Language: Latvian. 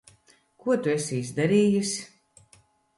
Ko tu esi izdarījis?